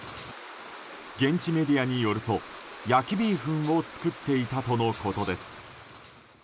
現地メディアによると焼きビーフンを作っていたとのことです。